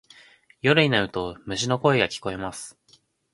夜になると虫の声が聞こえます。